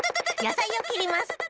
やさいをきります！